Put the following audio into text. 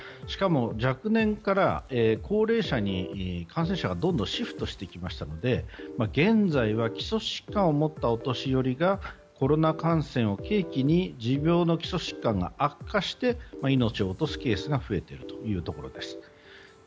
しかも若年から高齢者に感染者がどんどんシフトしてきたので現在は基礎疾患を持ったお年寄りがコロナ感染を契機に持病の基礎疾患が悪化して命を落とすケースが増えているというところです。